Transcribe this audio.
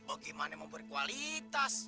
oh gimana mau berkualitas